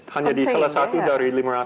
hanya di salah satu dari lima ratus